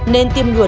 nên tiêm ngừa